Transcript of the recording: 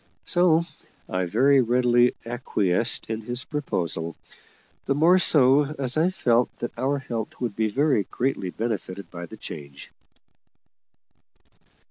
So I very readily acquiesced in his proposal, the more so as I felt that our health would be very greatly benefited by the change.